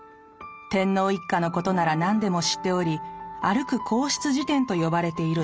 天皇一家のことなら何でも知っており歩く皇室事典と呼ばれているＳさん